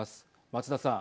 松田さん。